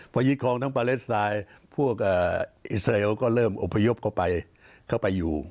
พอยึดคลองทั้งปาเลสไตล์พวกอิสราเอลก็เริ่มอพยพเข้าไปเข้าไปอยู่